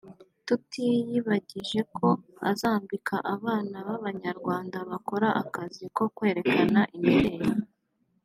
tutiyibagije ko azambika abana b’Abanyarwanda bakora akazi ko kwerekana imideli